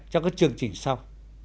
trong các chương trình sau